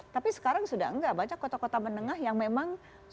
tapi sekarang sudah enggak banyak kota kota menengah yang memang sudah mulai mulai menengah